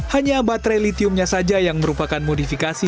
hanya baterai litiumnya saja yang merupakan modifikasi